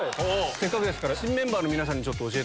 せっかくですから。